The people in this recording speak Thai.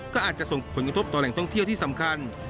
ก็อาจจะส่งผลกระทบต่อแหล่งท่องเที่ยวที่สำคัญ